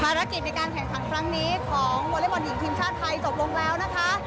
ภารกิจในการแข่งขันครั้งนี้ของวอเล็กบอลหญิงทีมชาติไทยจบลงแล้วนะคะ